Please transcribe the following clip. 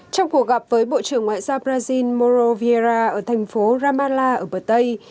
trong cuộc gặp với bộ trưởng ngoại giao brazil mauro vieira ở thành phố ramallah ở bờ tây